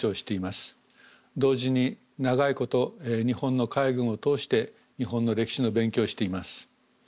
同時に長いこと日本の海軍を通して日本の歴史の勉強をしています。